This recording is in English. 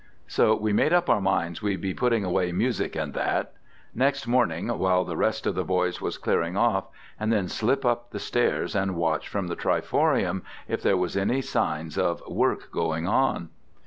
So we made up our minds we'd be putting away music and that, next morning while the rest of the boys was clearing off, and then slip up the stairs and watch from the triforium if there was any signs of work going on.